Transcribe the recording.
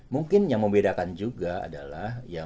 mungkin yang membedakan juga adalah